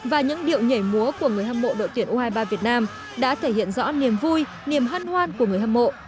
và những điệu nhảy múa của người hâm mộ đội tuyển u hai mươi ba việt nam đã thể hiện rõ niềm vui niềm hân hoan của người hâm mộ